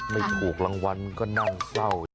ไม่ถูกรางวัลก็น่าเศร้า